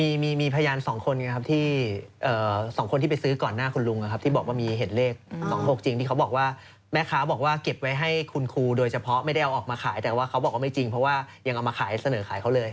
มีพยานสองคนไงครับที่๒คนที่ไปซื้อก่อนหน้าคุณลุงนะครับที่บอกว่ามีเห็นเลข๒๖จริงที่เขาบอกว่าแม่ค้าบอกว่าเก็บไว้ให้คุณครูโดยเฉพาะไม่ได้เอาออกมาขายแต่ว่าเขาบอกว่าไม่จริงเพราะว่ายังเอามาขายเสนอขายเขาเลย